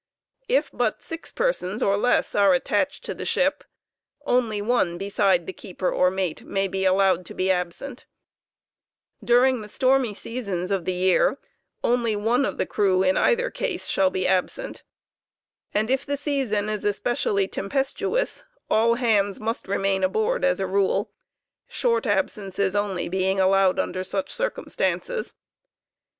If but six persons or. less are attached * to the ship, one only, beside the keeper or mate, may be allowed to be absent During the stormy seasons of the year, one ouly of the crew, in either case, shall be absent, and if the season is especially tempestuous, all hands must remain aboard as a rule; short absences only being allowed under such circumstances.